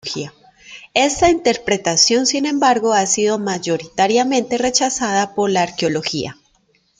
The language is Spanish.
Esta interpretación, sin embargo, ha sido mayoritariamente rechazada por la arqueología.